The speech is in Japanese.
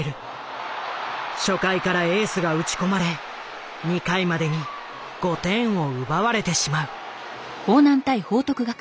初回からエースが打ち込まれ２回までに５点を奪われてしまう。